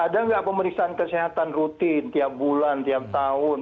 ada nggak pemeriksaan kesehatan rutin tiap bulan tiap tahun